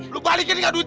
lo balikin gak duce